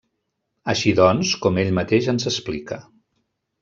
Així doncs, com ell mateix ens explica.